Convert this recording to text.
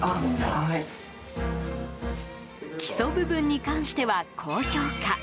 基礎部分に関しては高評価。